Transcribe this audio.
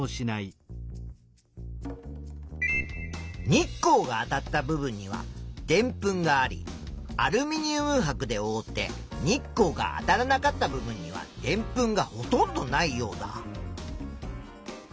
日光があたった部分にはでんぷんがありアルミニウムはくでおおって日光があたらなかった部分にはでんぷんがほとんどないヨウダ。